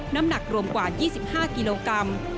น้ำหนักรวมกว่า๒๕กิโลกรัม